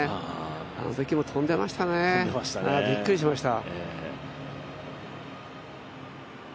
あのときも飛んでましたね、びっくりしました。